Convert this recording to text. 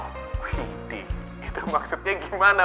wih dih itu maksudnya gimana